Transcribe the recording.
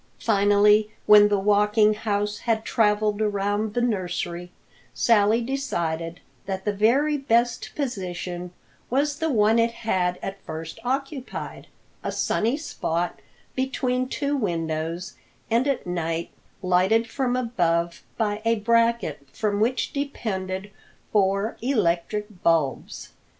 Finally, when the Walking House had traveled around the nursery, Sally decided that the very best position was the one it had at first occupied, a sunny spot between two windows, and at night lighted from above by a bracket from which depended four electric bulbs.